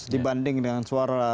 dibanding dengan suara